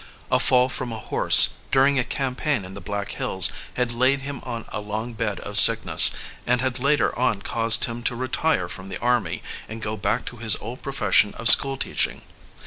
A fall from a horse, during a campaign in the Black Hills, had laid him on a long bed of sickness, and had later on caused him to retire from the army and go back to his old profession of school teaching.